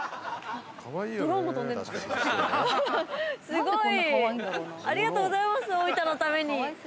すごい。